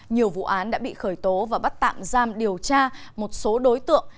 nhiều vụ án đã bị khởi tố và bắt tạm giam điều tra một số đối tượng